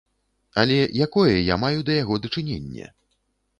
Але якое я маю да яго дачыненне?